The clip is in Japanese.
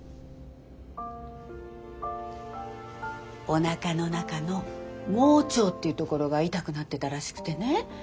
おなかの中の盲腸っていうところが痛くなってたらしくてね。